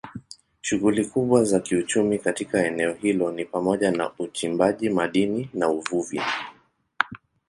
Shughuli kubwa za kiuchumi katika eneo hilo ni pamoja na uchimbaji madini na uvuvi.